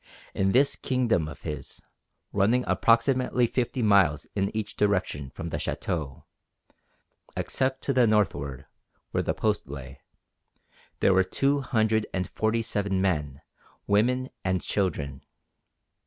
In this kingdom of his, running approximately fifty miles in each direction from the Château except to the northward, where the Post lay there were two hundred and forty seven men, women, and children.